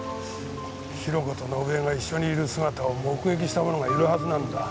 弘子と伸枝が一緒にいる姿を目撃した者がいるはずなんだ。